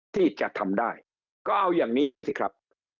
ที่จะทำได้ก็เอาอย่างนี้สิครับ